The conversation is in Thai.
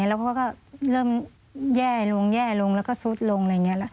แล้วเขาก็เริ่มแย่ลงแย่ลงแล้วก็ซุดลงอะไรอย่างนี้